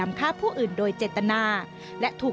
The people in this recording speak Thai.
ทำไมเราต้องเป็นแบบเสียเงินอะไรขนาดนี้เวรกรรมอะไรนักหนา